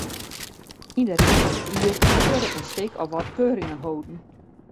Yn de rin fan it jier wurde in stik of wat keuringen holden.